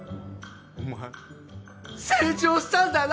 お前成長したんだな！